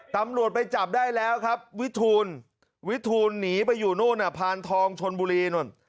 ตำรวจไปจับได้แล้วครับวิทูลวิทูลหนีไปอยู่นู่นน่ะพานทองชนบุรีนู่น